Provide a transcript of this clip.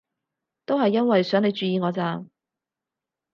都係因為想你注意我咋